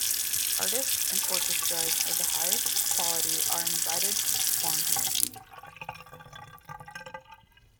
Artists and orchestras of the highest quality are invited to perform here.